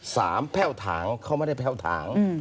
แพ่วถางเขาไม่ได้แพ่วถาง